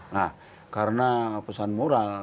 nah karena pesan moral